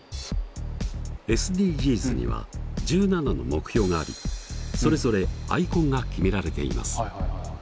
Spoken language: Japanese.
ＳＤＧｓには１７の目標がありそれぞれアイコンが決められています。